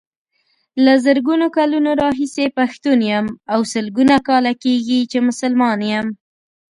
له زرګونو کلونو راهيسې پښتون يم او سلګونو کاله کيږي چې مسلمان يم.